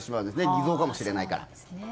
偽造かもしれないから。